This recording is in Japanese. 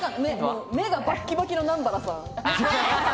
目がバッキバキの南原さん。